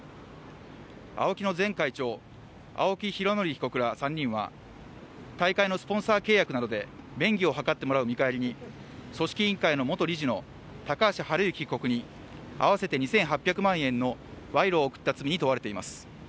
ＡＯＫＩの前会長、青木拡憲被告ら３人は大会のスポンサー契約などで便宜を図ってもらう見返りに組織委員会の元理事の高橋治之被告に合わせて２８００万円の賄賂を贈った罪に問われています。